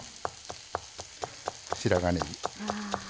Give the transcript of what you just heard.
白髪ねぎ。